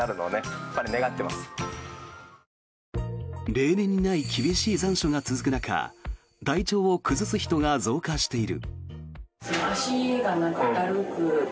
例年にない厳しい残暑が続く中体調を崩す人が増加している。